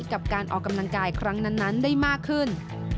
กับการออกกำลังกายครั้งนั้นได้มากขึ้น